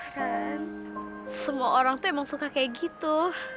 kan semua orang tuh emang suka kayak gitu